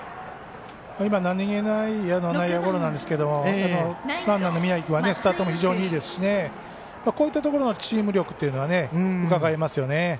今、何気ない内野ゴロなんですけどランナーの宮城君はスタートが非常にいいですしこういったところのチーム力というのはうかがえますよね。